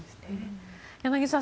柳澤さん